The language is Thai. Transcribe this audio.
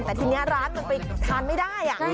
แต่ทีนี้ร้านมันไปทานไม่ได้